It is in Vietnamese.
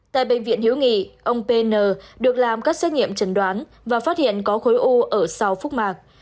tại bệnh viện hiếu nghị ông pn được làm các xét nghiệm trần đoán và phát hiện có khối u ở sau phúc mạc